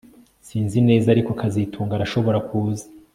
Sinzi neza ariko kazitunga arashobora kuza